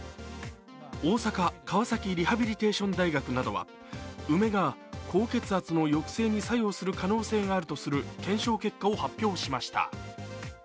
大阪河崎リハビリテーション大学などは、梅が高血圧の抑制に作用する可能性があるとする検証結果を発表しました。